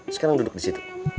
sekarang duduk disitu